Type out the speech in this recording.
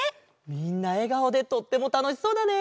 みんなえがおでとってもたのしそうだね。